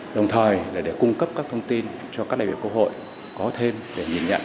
đồng thời là để cung cấp các thông tin cho các đại biểu quốc hội có thêm để nhìn nhận